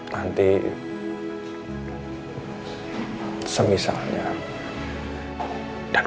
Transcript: dan itu bener bener saya ingin nanya sama lo